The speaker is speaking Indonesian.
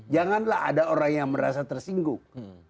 janganlah ada orang yang merasa tersinggung